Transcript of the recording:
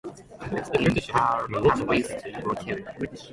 Sixteen Patriots were killed.